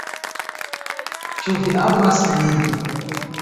"Ĉu vi amas min?"